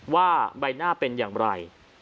ว่าใบหน้าเป็นอย่างไร